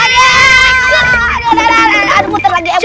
aduh aduh aduh aduh buter lagi